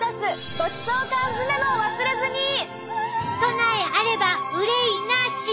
「備えあれば憂いなし」！